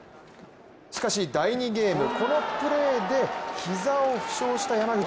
しかし第２ゲームこのプレーで膝を負傷した山口。